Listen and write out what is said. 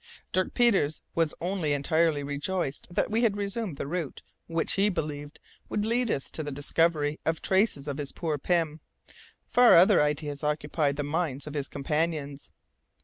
Dirk Peters only was entirely rejoiced that we had resumed the route which, he believed, would lead us to the discovery of traces of his "poor Pym" far other ideas occupied the minds of his companions.